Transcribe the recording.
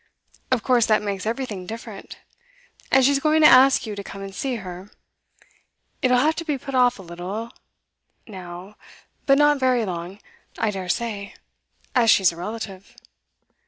Of course that makes everything different. And she's going to ask you to come and see her. It'll have to be put off a little now; but not very long, I dare say, as she's a relative.